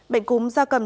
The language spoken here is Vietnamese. bệnh cúm da cầm